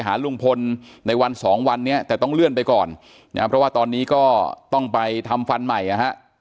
หาลุงพลในวันสองวันนี้แต่ต้องเลื่อนไปก่อนนะเพราะว่าตอนนี้ก็ต้องไปทำฟันใหม่นะฮะ